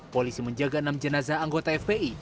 polisi menjaga enam jenazah anggota fpi